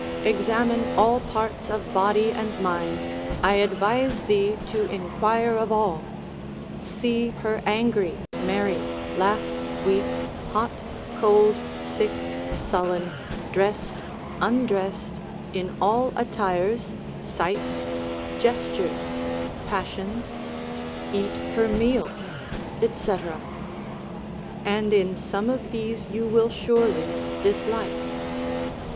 Examine all parts of body and mind, I advise thee to inquire of all. See her angry, merry, laugh, weep, hot, cold, sick, sullen, dressed, undressed, in all attires, sites, gestures, passions, eat her meals, &c., and in some of these you will surely dislike.